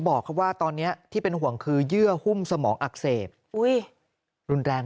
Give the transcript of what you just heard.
บอกว่าตอนนี้ที่เป็นห่วงคือเยื่อหุ้มสมองอักเสบรุนแรง